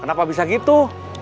kenapa bisa gitu